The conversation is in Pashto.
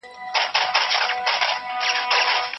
پوهانو د پرمختيا په اړه خپلو څېړنو ته دوام ورکړی و.